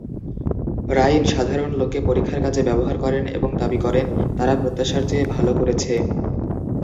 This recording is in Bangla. রাইন সাধারণ লোককে পরীক্ষার কাজে ব্যবহার করেন এবং দাবি করেন, তারা প্রত্যাশার চেয়ে ভাল করেছে।